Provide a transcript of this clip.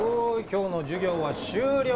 今日の授業は終了。